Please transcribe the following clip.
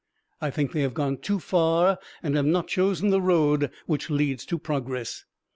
I think they have gone too far and have not chosen the road which leads to progress.